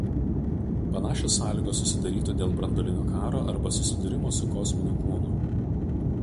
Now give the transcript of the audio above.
Panašios sąlygos susidarytų dėl branduolinio karo arba susidūrimo su kosminiu kūnu.